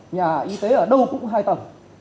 nhà y tế ở đâu cũng hai tầng